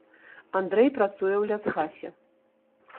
Андрэй працуе ў лясгасе.